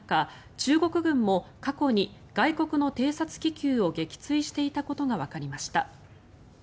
中国軍も過去に外国の偵察気球を撃墜していたことがわかりました。